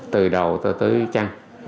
từ đầu tới chân